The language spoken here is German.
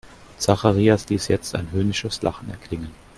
Zacharias ließ jetzt ein höhnisches Lachen erklingen.